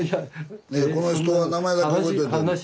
この人は名前だけ覚えといておこう。